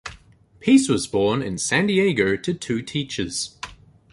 Peace was born in San Diego to two teachers.